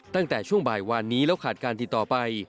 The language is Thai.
ตั้งแต่ช่วงบ่ายวานนี้แล้วขาดการติดต่อไป